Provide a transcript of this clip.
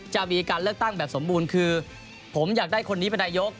จะมีการเลือกตั้งแบบสมบูรณ์คือผมอยากได้คนนี้เป็นนายก